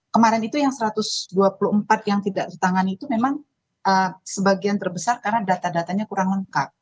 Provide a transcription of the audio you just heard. kemarin itu yang satu ratus dua puluh empat yang tidak tertangani itu memang sebagian terbesar karena data datanya kurang lengkap